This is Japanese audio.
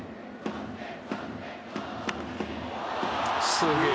すげえ。